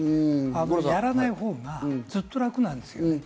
やらないほうがずっと楽なんですよ。